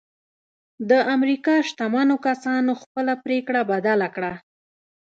د امريکا شتمنو کسانو خپله پرېکړه بدله کړه.